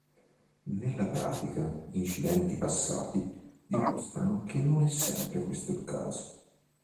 Nella pratica, incidenti passati dimostrano che non è sempre questo il caso.